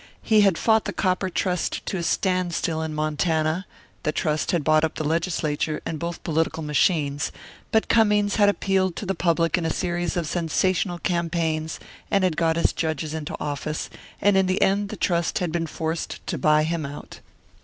He had fought the Copper Trust to a standstill in Montana; the Trust had bought up the Legislature and both political machines, but Cummings had appealed to the public in a series of sensational campaigns, and had got his judges into office, and in the end the Trust had been forced to buy him out.